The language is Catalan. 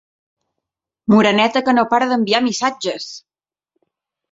Moreneta que no para d'enviar missatges!